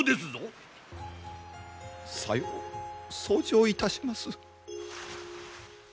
さよう奏上いたします。